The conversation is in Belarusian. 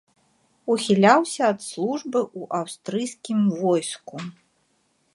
Ухіляўся ад службы ў аўстрыйскім войску.